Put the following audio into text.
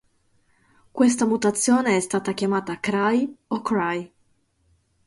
Questa mutazione è stata chiamata cry, o cry.